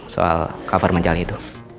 soal cover majalah itu